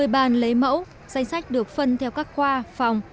một mươi bàn lấy mẫu danh sách được phân theo các khoa phòng